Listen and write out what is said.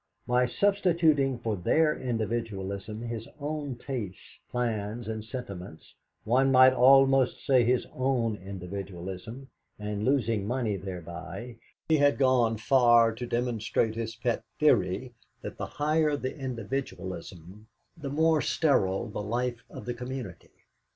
By substituting for their individualism his own tastes, plans, and sentiments, one might almost say his own individualism, and losing money thereby, he had gone far to demonstrate his pet theory that the higher the individualism the more sterile the life of the community.